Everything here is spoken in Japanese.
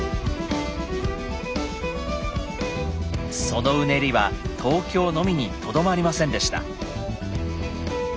そのうねりは東京のみにとどまりませんでした。